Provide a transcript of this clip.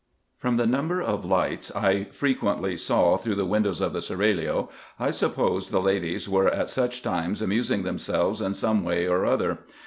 From the number of lights I frequently saw through the windows of the seraglio, I supposed the ladies were at such times amusing themselves in some way or other.